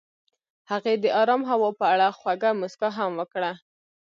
هغې د آرام هوا په اړه خوږه موسکا هم وکړه.